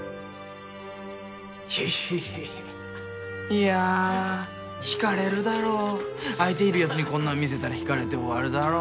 いや引かれるだろ相手いるやつにこんなん見せたら引かれて終わるだろ。